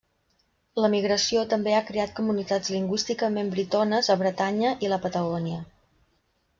L'emigració també ha creat comunitats lingüísticament britones a Bretanya i la Patagònia.